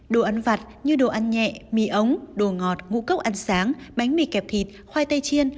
đồ ăn vặt như đồ ăn nhẹ mì ống đồ ngọt ngũ cốc ăn sáng bánh mì kẹp thịt khoai tây chiên